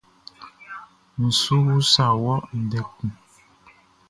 N su usa wɔ ndɛ kun.